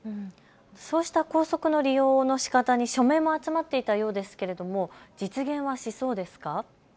そうした高速の利用のしかたに署名も集まっていたようですが、実現はしそうですか。